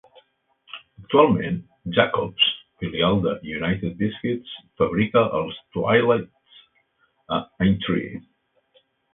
Actualment, Jacob's, filial de United Biscuits, fabrica els Twiglets a Aintree.